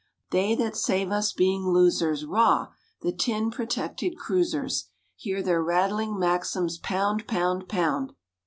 They that save us being losers—Rah! the tin protected cruisers! Hear their rattling Maxims pound, pound, pound!